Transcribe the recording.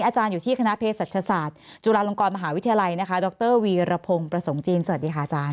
อาจารย์อยู่ที่คณะเพศศาสตร์จุฬาลงกรมหาวิทยาลัยนะคะดรวีรพงศ์ประสงค์จีนสวัสดีค่ะอาจารย